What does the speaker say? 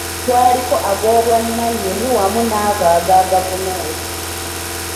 Kwaliko ag’obwannannyini wamu n’ago aga gavumenti.